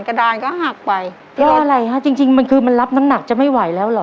กระดานก็หักไปเพราะอะไรฮะจริงจริงมันคือมันรับน้ำหนักจะไม่ไหวแล้วเหรอ